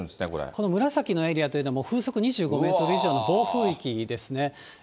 この紫のエリアというのは、もう風速２５メートル以上の暴風域ですね。